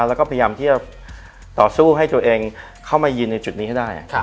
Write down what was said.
แล้วก็พยายามที่จะต่อสู้ให้ตัวเองเข้ามายืนในจุดนี้ให้ได้